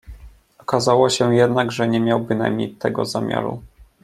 "Okazało się jednak, że nie miał bynajmniej tego zamiaru."